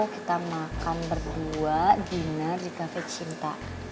kita makan berdua dina di cafe cinta